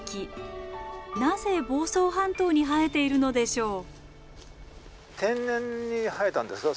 なぜ房総半島に生えているのでしょう？